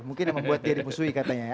mungkin membuat diri musuhi katanya ya